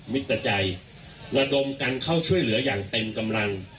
ปัจจัยระดมกันเข้าช่วยเหลืออย่างเต็มกำลัง